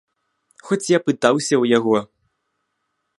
Хоць я пытаўся ў яго.